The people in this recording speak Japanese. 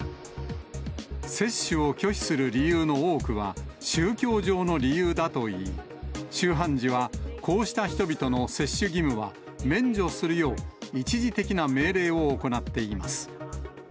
接種を拒否する理由の多くは、宗教上の理由だといい、州判事はこうした人々の接種義務は免除するよう一時的な命令を行っています。